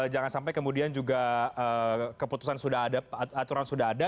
jangan sampai kemudian juga keputusan sudah ada aturan sudah ada